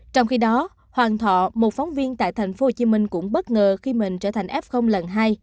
trong khi đó hoàng thọ một phóng viên tại tp hcm cũng bất ngờ khi mình trở thành f lần hai